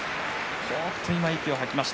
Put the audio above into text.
ほうっと今息を吐きました。